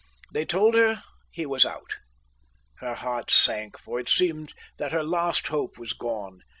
They told her he was out. Her heart sank, for it seemed that her last hope was gone.